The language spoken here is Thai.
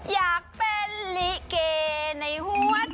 อยากเป็นลิเกะในหัวใจเธอ